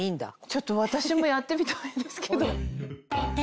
ちょっと私もやってみたいんですけど。